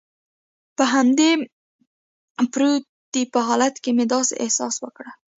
په همدې پروتې په حالت کې مې داسې احساس وکړل.